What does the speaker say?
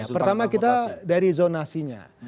pertama kita dari zonasinya